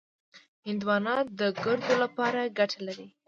هندوانه د ګردو لپاره ګټه لري.